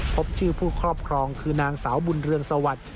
พบชื่อผู้ครอบครองคือนางสาวบุญเรืองสวัสดิ์